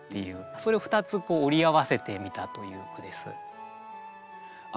それを２つこうおり合わせてみたという句です。